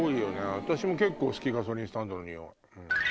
私も結構好きガソリンスタンドのニオイ。